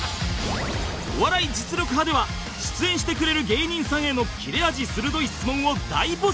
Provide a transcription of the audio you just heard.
『お笑い実力刃』では出演してくれる芸人さんへの切れ味鋭い質問を大募集